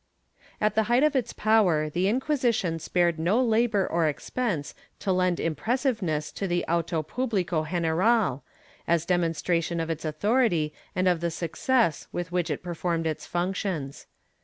At the height of its power the Inquisition spared no labor or expense to lend impressiveness to the auto publico general, as a demonstration of its authority and of the success with which it performed its functions.